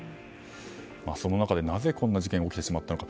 その中でなぜこんな事件が起きてしまったのか。